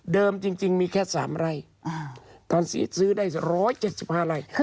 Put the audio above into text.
เดิมจริงมีแค่สามไร่ตอนนี้ซื้อได้ร้อยเจ็ดสิบห้าไร่